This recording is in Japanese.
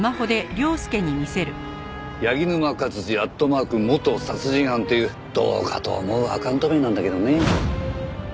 「柳沼勝治＠元殺人犯」っていうどうかと思うアカウント名なんだけどね。